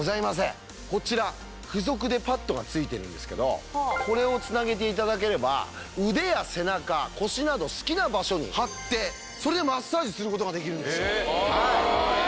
こちらこれをつなげていただければ腕や背中腰など好きな場所に貼ってそれでマッサージすることができるんですよ